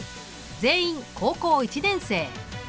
全員高校１年生。